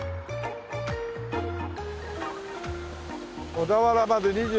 小田原まで２０。